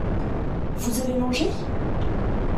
Vous avez mangé ?